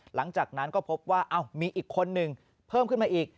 หลังจากนั้นก็พบว่ามีอีกคนหนึ่งเพิ่มขึ้นมาอีก